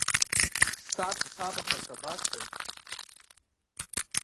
Сцап, сцап аха сабацои?